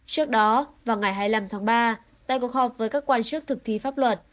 trước đó vào ngày hai mươi năm tháng ba tại cuộc họp với các quan chức thực thi pháp luật